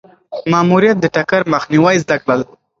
ماموریت د ټکر مخنیوی زده کړل.